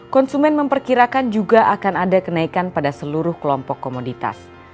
konsumen memperkirakan juga akan ada kenaikan pada seluruh kelompok komoditas